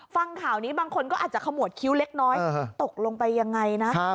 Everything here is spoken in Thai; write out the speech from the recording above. ฟังข่าวนี้บางคนก็อาจจะขมวดคิ้วเล็กน้อยตกลงไปยังไงนะ